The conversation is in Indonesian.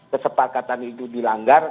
kesepakatan itu dilanggar